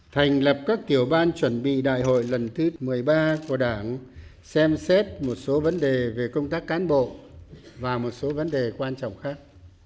thành lập các tiểu ban chuẩn bị đại hội lần thứ một mươi ba của đảng xem xét một số vấn đề về công tác cán bộ và một số vấn đề quan trọng khác